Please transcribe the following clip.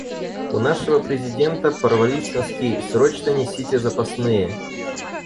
У нашего Президента порвались носки, срочно несите запасные!